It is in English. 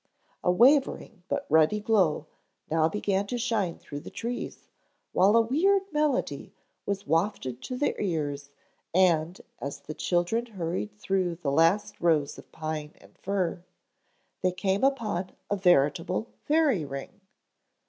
A wavering but ruddy glow now began to shine through the trees while a weird melody was wafted to their ears and as the children hurried through the last rows of pine and fir, they came upon a veritable fairy ring.